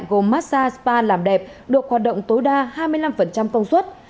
gồm massag spa làm đẹp được hoạt động tối đa hai mươi năm công suất